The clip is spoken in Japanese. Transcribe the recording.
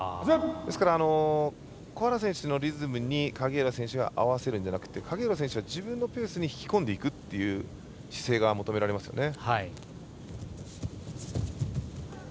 ですから、小原選手のリズムに影浦選手が合わせるんじゃなくて影浦選手が自分のペースに引き込んでいくという姿勢が求められますよね。